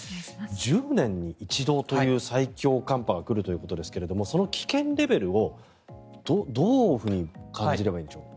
１０年に一度という最強寒波が来るということですがその危険レベルをどういうふうに感じればいいでしょうか。